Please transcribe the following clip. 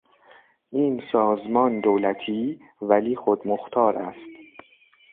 این سازمان دولتی، ولی خودمختار است.